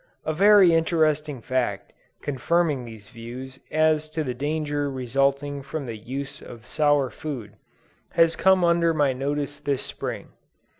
A very interesting fact confirming these views as to the danger resulting from the use of sour food, has come under my notice this Spring.